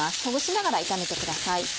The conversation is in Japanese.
ほぐしながら炒めてください。